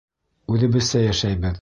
Үҙебеҙсә йәшәйбеҙ!